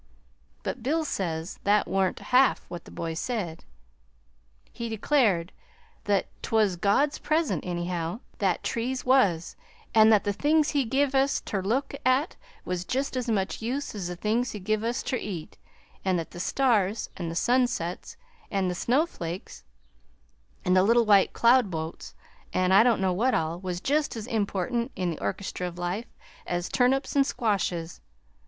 But Bill says that wa'n't half what the boy said. He declared that 't was God's present, anyhow, that trees was; an' that the things He give us ter look at was jest as much use as the things He give us ter eat; an' that the stars an' the sunsets an' the snowflakes an' the little white cloud boats, an' I don't know what all, was jest as important in the Orchestra of Life as turnips an' squashes.